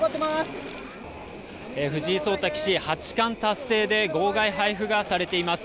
藤井聡太棋士、８冠達成で号外配布がされています。